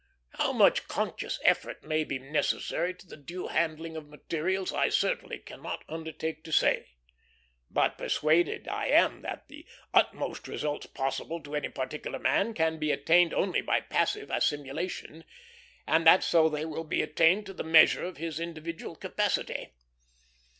How much conscious effort may be necessary to the due handling of materials, I certainly cannot undertake to say; but persuaded I am that the utmost results possible to any particular man can be attained only by passive assimilation, and that so they will be attained to the measure of his individual capacity.